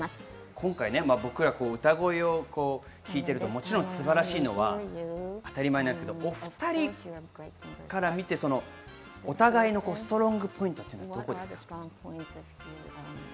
今回、歌声を聴いていると素晴らしいのは当たり前ですが、お２人から見て、お互いのストロングポイントはどこですか？